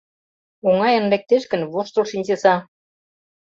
Оҥайын лектеш гын, воштыл шинчыза.